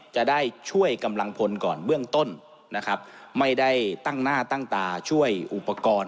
จะได้ช่วยกำลังพลก่อนเบื้องต้นนะครับไม่ได้ตั้งหน้าตั้งตาช่วยอุปกรณ์